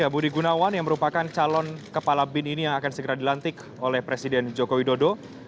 budi gunawan yang merupakan calon kepala bin ini yang akan segera dilantik oleh presiden joko widodo